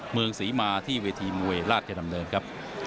เมืองศรีมาที่เวทีมวยราชดำเนินครับ